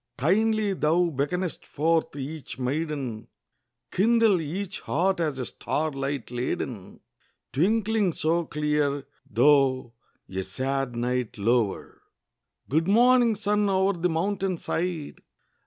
Kindly thou beckonest forth each maiden; Kindle each heart as a star light laden, Twinkling so clear, though a sad night lower! Good morning, sun, o'er the mountain side!